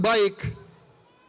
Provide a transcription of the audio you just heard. dan menjelaskan kemampuan negara